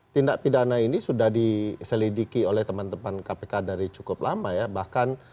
tindak pidana ini sudah diselidiki oleh teman teman kpk dari cukup lama ya bahkan